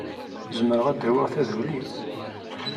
Zemreɣ ad awiɣ taduli?